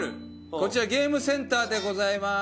こちらゲームセンターでございます。